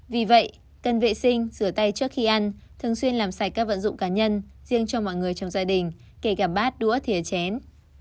vì vậy cần vệ sinh rửa tay trước khi ăn thường xuyên làm sạch các vận dụng cá nhân riêng cho mọi người trong gia đình kể cả bát đũa thia chén